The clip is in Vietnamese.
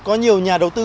có nhiều nhà đầu tư